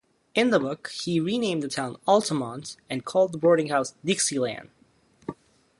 In the book, he renamed the town Altamont and called the boarding house Dixieland.